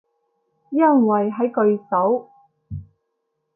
因為喺句首